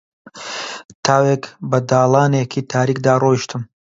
تاوێک بە داڵانێکی تاریکدا ڕۆیشتم